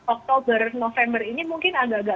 oktober november ini mungkin agak agak